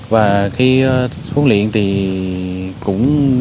và khi cuốn luyện thì cũng